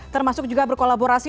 termasuk juga berkolaborasi